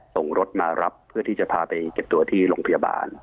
ส่งรถมารับเพื่อที่จะพาไปเก็บตัวที่โรงพยาบาล